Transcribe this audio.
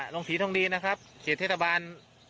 ลงสีทองดีนะครับเขตเทศบาล